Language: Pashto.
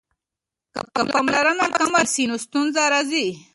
که پاملرنه کمه سي نو ستونزه راځي.